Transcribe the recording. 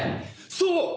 そう！